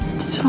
itu sudah lama